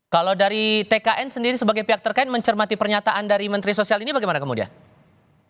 kalau dari tkn sendiri sebagai pihak terkait mencermati pernyataan dari menteri sosial ini bagaimana kemudian